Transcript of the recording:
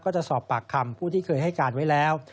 จะสอบปากคำผู้ที่เคยให้การไว้แล้ว